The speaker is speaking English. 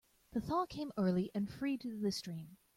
The thaw came early and freed the stream.